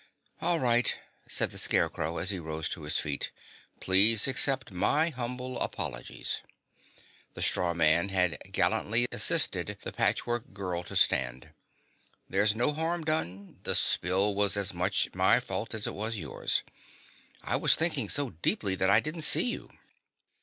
"All right," said the Scarecrow, as he rose to his feet. "Please accept my humble apologies." The straw man gallantly assisted the Patchwork Girl to stand. "There's no harm done. The spill was as much my fault as it was yours. I was thinking so deeply that I didn't see you."